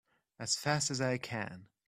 As fast as I can!